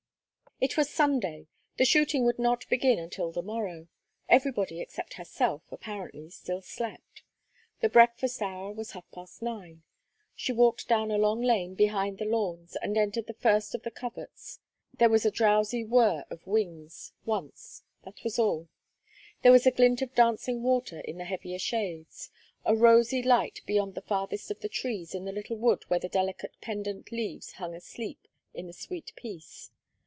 It was Sunday; the shooting would not begin until the morrow; everybody except herself, apparently, still slept; the breakfast hour was half past nine. She walked down a long lane behind the lawns and entered the first of the coverts. There was a drowsy whir of wings once that was all. There was a glint of dancing water in the heavier shades, a rosy light beyond the farthest of the trees in the little wood where the delicate pendent leaves hung asleep in the sweet peace.